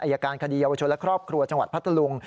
อายการคดีเยาวชนและครอบครัวจังหวัดพัทธลุง